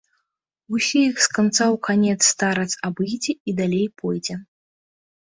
Усе іх з канца ў канец старац абыдзе і далей пойдзе.